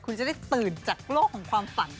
คุณจะได้ตื่นจากโลกของความฝัน